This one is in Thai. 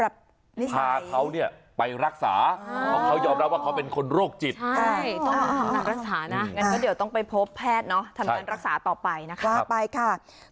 อยากให้พาเขาเนี่ยไปรักษาเขายอมรับว่าเขาเป็นคนโรคจิตต้องการรักษานะก็เดี๋ยวต้องไปพบแพทย์เนาะทำการรักษาต่อไปนะครับไปค่ะ